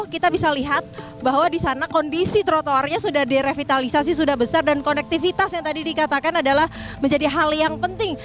kita bisa lihat bahwa di sana kondisi trotoarnya sudah direvitalisasi sudah besar dan konektivitas yang tadi dikatakan adalah menjadi hal yang penting